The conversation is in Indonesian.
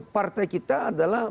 partai kita adalah